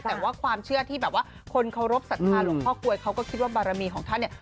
แต่ว่าความเชื่อที่แบบว่าคนเคารพสัทธาหลวงพ่อกลวยเขาก็คิดว่าบารมีของท่านเนี่ย